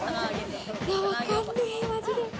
わかんないマジで。